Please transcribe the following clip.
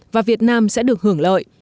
và việt nam sẽ được hưởng lợi